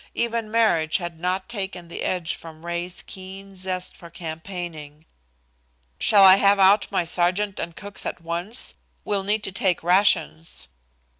Even marriage had not taken the edge from Ray's keen zest for campaigning. "Shall I have out my sergeant and cooks at once? We'll need to take rations."